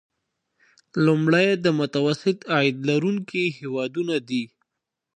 لومړی د متوسط عاید لرونکي هیوادونه دي.